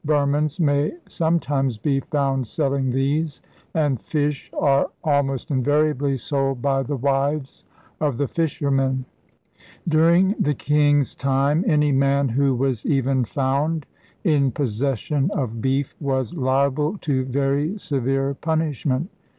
Burmans may sometimes be found selling these; and fish are almost invariably sold by the wives of the fishermen. During the king's time, any man who was even found in possession of beef was liable to very severe punishment.